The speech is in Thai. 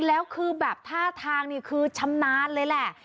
แล้วคือแบบท่าทางนี่คือชำนาญเลยแหละ